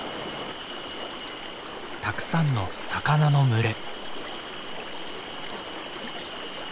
たくさんの魚の群れ。